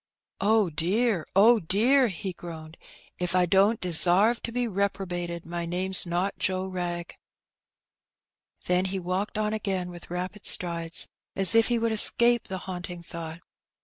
'^ Oh, dear ! oh, dear !'' he groaned. " If I don't desarve to be reprobated, my name's not Joe Wrag." Then he walked on again with rapid strides, as if he would escape the haunting thought.